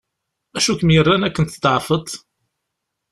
Acu i kem-yerran akken tḍeεfeḍ?